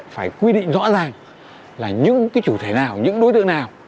phải quy định rõ ràng là những cái chủ thể nào những đối tượng nào